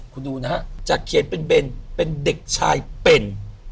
คุณดูนะฮะจากเขียนเป็นเบนเป็นเด็กชายเป็น